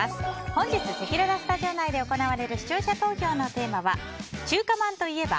本日せきららスタジオ内で行われる視聴者投票のテーマは中華まんと言えば？